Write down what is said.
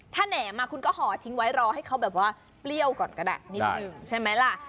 ถ้าแหนมคุณก็ห่อทิ้งไว้รอให้เขาแบบว่าเปรี้ยวก่อนก็ได้นิดนึงใช่ไหมล่ะ